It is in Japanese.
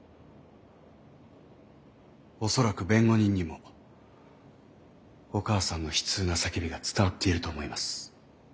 恐らく弁護人にもお母さんの悲痛な叫びが伝わっていると思います。